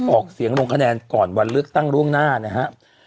ออกเสียงลงคะแนนก่อนวันเลือกตั้งล่วงหน้านะครับ